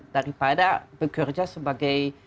daripada bekerja sebagai